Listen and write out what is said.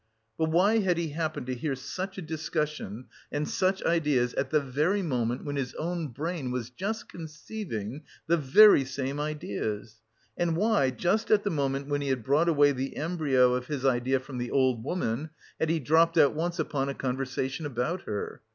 But why had he happened to hear such a discussion and such ideas at the very moment when his own brain was just conceiving... the very same ideas? And why, just at the moment when he had brought away the embryo of his idea from the old woman had he dropped at once upon a conversation about her?